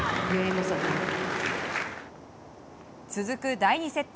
続く第２セット。